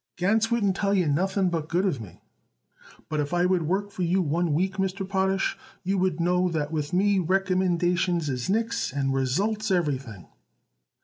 "Gans wouldn't tell you nothing but good of me. But if I would work for you one week, Mr. Potash, you would know that with me recommendations is nix and results everything."